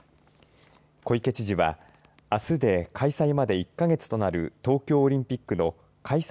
小池知事はあすで開催まで１か月となる東京オリンピックの開催